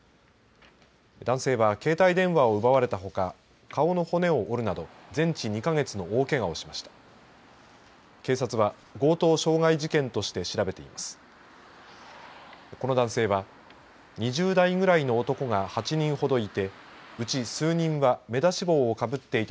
男性は携帯電話を奪われたほか顔の骨を折るなど全治２か月の大けがをしました。